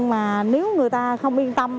mà nếu người ta không yên tâm